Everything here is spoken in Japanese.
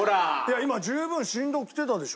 今十分振動きてたでしょ？